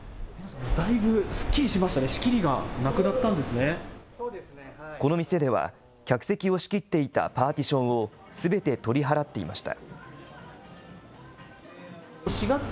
だいぶすっきりしましたね、仕切この店では、客席を仕切っていたパーティションをすべて取り払っていました。